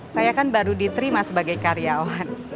saya kan baru diterima sebagai karyawan